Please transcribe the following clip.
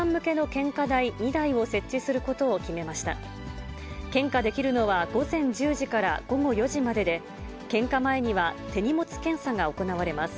献花できるのは午前１０時から午後４時までで、献花前には手荷物検査が行われます。